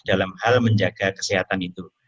dalam hal menjaga kesehatan itu